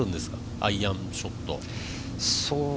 アイアンショット。